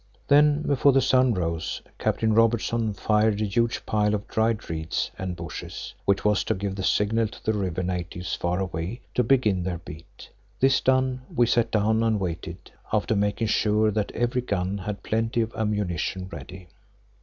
Then, before the sun rose, Captain Robertson fired a huge pile of dried reeds and bushes, which was to give the signal to the river natives far away to begin their beat. This done, we sat down and waited, after making sure that every gun had plenty of ammunition ready.